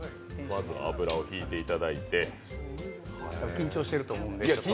緊張してると思うので。